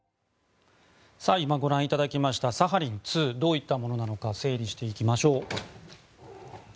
今ご覧いただきましたサハリン２どういったものなのか整理していきましょう。